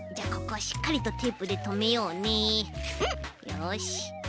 よし。